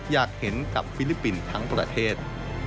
อยากเห็นกับฟิลิปปินส์ทั้งประเทศ